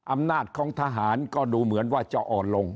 อำนาจของทหารก็ดูเหมือนว่าจะอ่อนลง